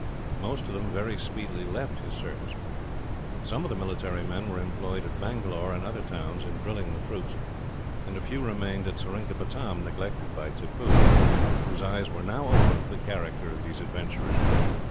Most of them very speedily left his service. Some of the military men were employed at Bangalore, and other towns, in drilling the troops, and a few remained at Seringapatam, neglected by Tippoo, whose eyes were now open to the character of these adventurers.